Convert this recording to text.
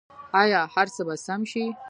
آیا هر څه به سم شي؟